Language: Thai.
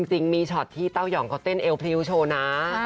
จริงมีช็อตที่เต้ายองเขาเต้นเอวพริ้วโชว์นะ